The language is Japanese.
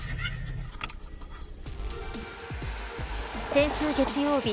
先週月曜日